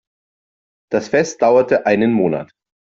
Das Fest dauerte einen Monat.